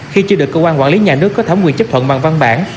khi chưa được cơ quan quản lý nhà nước có thẩm quyền chấp thuận bằng văn bản